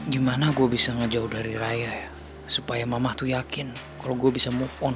gimana gue bisa ngejauh dari raya ya supaya mama tuh yakin kalau gue bisa move on